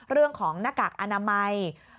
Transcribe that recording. เรื่องของหน้ากากอนามัย